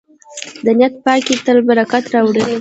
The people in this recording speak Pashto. د نیت پاکي تل برکت راوړي.